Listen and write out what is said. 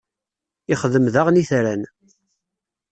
ixdem daɣen itran.